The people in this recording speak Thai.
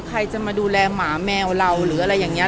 ใครจะมาดูแลหมาแมวเราหรืออะไรอย่างนี้